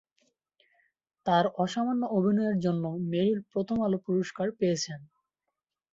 তার অসামান্য অভিনয়ের জন্য মেরিল প্রথম আলো পুরস্কার পেয়েছেন।